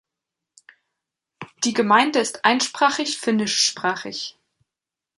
Die Gemeinde ist einsprachig finnischsprachig.